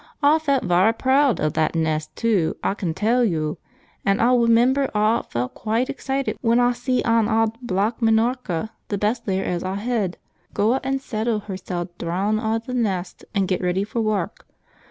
"Aw felt varra preawd o' that nest, too, aw con tell yo', an' aw remember aw felt quite excited when aw see an awd black Minorca, th' best layer as aw hed, gooa an' settle hersel deawn i' th' nest an' get ready for wark.